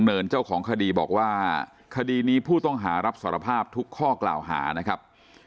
เนินเจ้าของคดีบอกว่าคดีนี้ผู้ต้องหารับสารภาพทุกข้อกล่าวหานะครับ